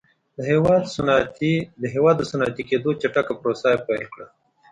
د هېواد د صنعتي کېدو چټکه پروسه یې پیل کړه